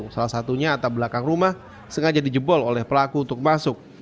salah satunya atap belakang rumah sengaja dijebol oleh pelaku untuk masuk